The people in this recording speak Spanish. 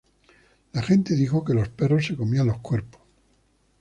La gente dijo que los perros se comían los cuerpos.